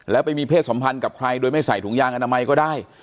แล้วไปมีเพศสัมพันธ์กับใครโดยไม่ใส่ถุงยางอนามัยก็ได้